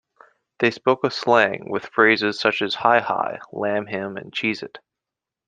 They spoke a slang, with phrases such as "hi-hi", "lam him", and "cheese it".